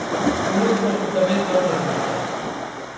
Un último apuntamento antes de marchar.